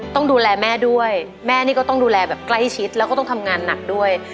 ต้องดูแลแม่ด้วยแม่นี่ก็ต้องดูแลแบบใกล้ชิดแล้วก็ต้องทำงานหนักด้วย